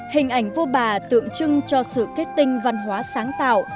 hình ảnh vua bà tượng trưng cho sự kết tinh văn hóa sáng tạo